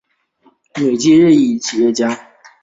美籍日裔企业家。